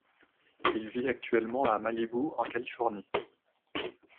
Il vit actuellement à Malibu en Californie.